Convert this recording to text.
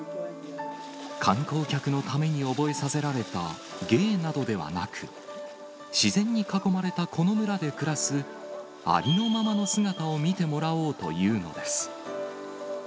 観光客のために覚えさせられた芸などではなく、自然に囲まれたこの村で暮らすありのままの姿を見てもらおうというのです。